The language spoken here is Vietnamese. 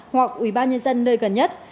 hoặc ủy ban nhân dân nơi gần nhất